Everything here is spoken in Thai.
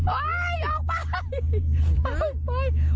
ออกไป